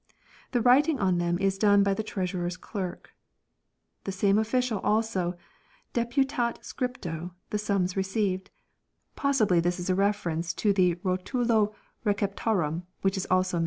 The writing on them is done by the Treasurer's clerk. 4 The same Official also ' deputat scripto " the sums received ; possibly this is a reference to the " rotulo receptarum " which is also mentioned.